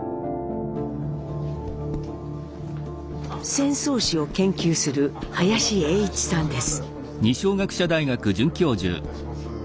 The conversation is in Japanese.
戦争史を研究する林英一さんです。